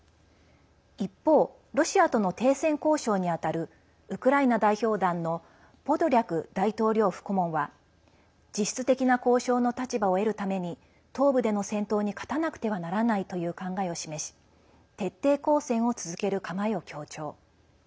一方、ロシアとの停戦交渉に当たるウクライナ代表団のポドリャク大統領府顧問は実質的な交渉の立場を得るために東部での戦闘に勝たなくてはならないという考えを示し徹底抗戦を続ける構えを強調。